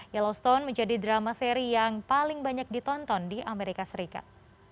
yellowstone menjadi drama seri yang paling banyak ditonton di amerika serikat